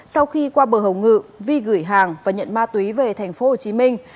sau khi qua bờ hồng ngự vi gửi hàng và nhận ma túy về thành phố hồ chí minh